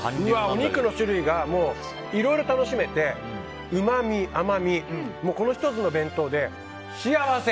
お肉の種類がいろいろ楽しめてうまみ、甘み、この１つの弁当で幸せ！